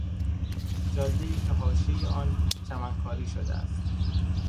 جادهای که حاشیهی آن چمنکاری شده است